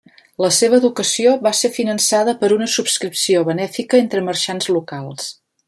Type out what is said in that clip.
La seva educació va ser finançada per una subscripció benèfica entre marxants locals.